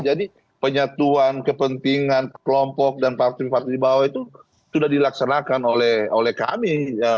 jadi penyatuan kepentingan kelompok dan partai partai di bawah itu sudah dilaksanakan oleh kami